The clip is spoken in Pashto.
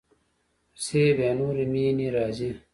پسې بیا نورې مینې راځي.